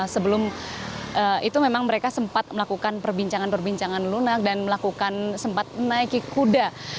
sebelum itu memang mereka sempat melakukan perbincangan perbincangan lunak dan melakukan sempat menaiki kuda